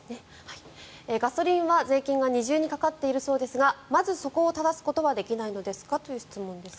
ガソリンは税金が二重にかかっているそうですがまずそこを正すことはできないのですかという質問です。